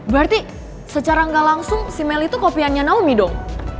berarti secara gak langsung si melly itu kopiannya naomi dong